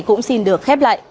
cũng xin được khép lại